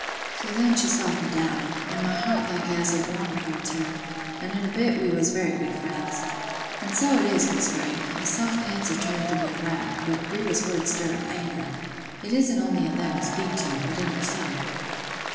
So then she softened down; and my heart like as it warmed towards her, an' in a bit we was very good friends. An' so it is, Miss Grey, 'a soft answer turneth away wrath; but grievous words stir up anger.' It isn't only in them you speak to, but in yourself."